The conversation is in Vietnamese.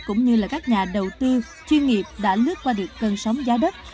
cũng như là các nhà đầu tư chuyên nghiệp đã lướt qua được cơn sóng giá đất